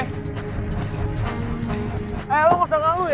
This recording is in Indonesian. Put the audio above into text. eh lo gak usah ngalu ya